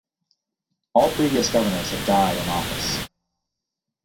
All previous governors had died in office.